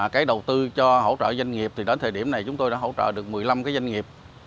cái đầu tư cho hỗ trợ doanh nghiệp thì đến thời điểm này chúng tôi đã hỗ trợ được một mươi năm cái doanh nghiệp